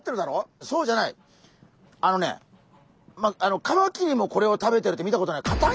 あのねカマキリもこれを食べてるって見たことない。